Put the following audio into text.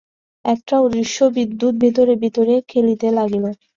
একটা অদৃশ্য বিদ্যুৎ ভিতরে ভিতরে খেলিতে লাগিল।